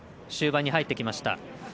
終盤に入ってきました。